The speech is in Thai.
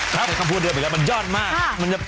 ทุกคำพูดอยู่เป็นหมายแล้วมันยอดมาก